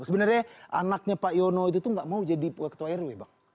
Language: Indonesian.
sebenarnya anaknya pak yono itu tuh gak mau jadi ketua rw bang